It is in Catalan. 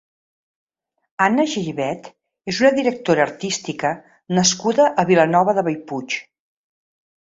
Anna Giribet és una directora artística nascuda a Vilanova de Bellpuig.